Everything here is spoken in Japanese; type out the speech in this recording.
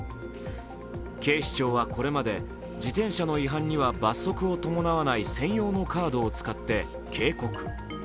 警視庁はこれまで、自転車の違反には罰則を伴わない専用のカードを使って警告。